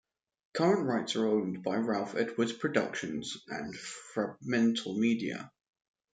Current rights are owned by Ralph Edwards Productions and FremantleMedia.